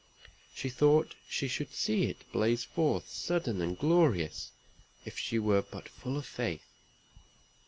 She thought she should see it blaze forth sudden and glorious, if she were but full of faith.